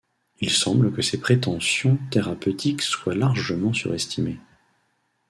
Il semble que ces prétentions thérapeutiques soient largement surestimées.